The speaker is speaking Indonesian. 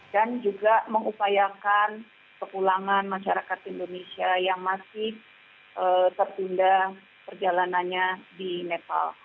dan juga mengupayakan kepulangan masyarakat indonesia yang masih tertunda perjalanannya di nepal